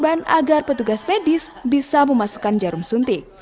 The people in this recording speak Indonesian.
beban agar petugas medis bisa memasukkan jarum suntik